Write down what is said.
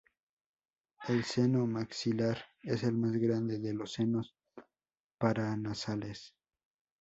El seno maxilar es el más grande de los senos paranasales.